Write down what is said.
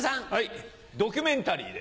ドキュメンタリーで。